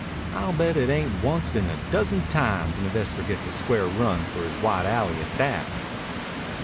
I'll bet it ain't onct in a dozen times an investor gets a square run for his white alley, at that."